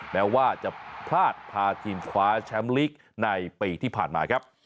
แม้ว่าจะพลาดพาทีมคว้าแชมป์ลีกในปีที่ผ่านมาครับ